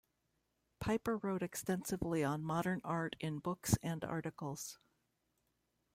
Piper wrote extensively on modern art in books and articles.